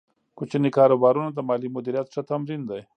کوچني کاروبارونه د مالي مدیریت ښه تمرین دی۔